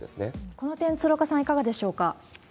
この点、鶴岡さん、いかがでしょうか？